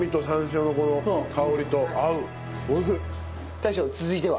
大将続いては？